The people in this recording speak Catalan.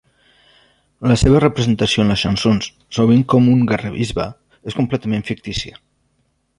La seva representació en les "chansons", sovint com un guerrer-bisbe, és completament fictícia.